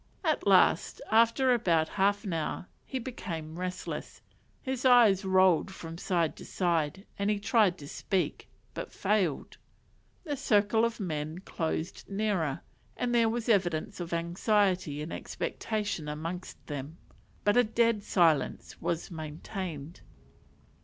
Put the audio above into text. At last, after about half an hour, he became restless, his eyes rolled from side to side, and he tried to speak; but failed. The circle of men closed nearer, and there was evidence of anxiety and expectation amongst them; but a dead silence was maintained.